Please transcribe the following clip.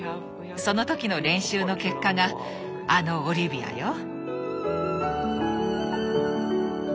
その時の練習の結果があのオリビアよ。